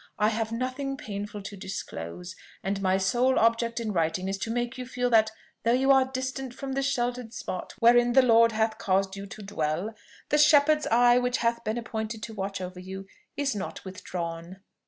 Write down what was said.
I have nothing painful to disclose; and my sole object in writing is to make you feel that though you are distant from the sheltered spot wherein the Lord hath caused you to dwell, the shepherd's eye which hath been appointed to watch over you is not withdrawn.